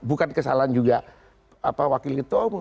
bukan kesalahan juga wakil ketua umum